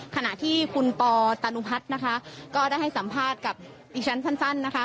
ขณะที่คุณปอตานุพัฒน์นะคะก็ได้ให้สัมภาษณ์กับดิฉันสั้นนะคะ